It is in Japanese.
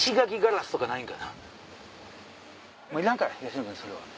いらんか東野さんそれは。